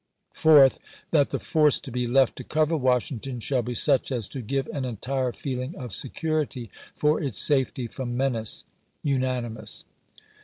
Fourth. That the force to be left to cover Washington shall be such as to give an entire feehng of security for its safety from menace. (Unanimous.)